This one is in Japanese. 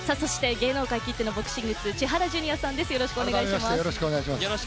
芸能界きってのボクシング通、千原ジュニアさんです。